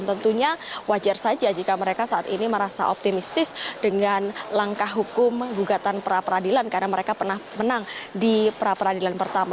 tentunya wajar saja jika mereka saat ini merasa optimistis dengan langkah hukum gugatan pra peradilan karena mereka pernah menang di pra peradilan pertama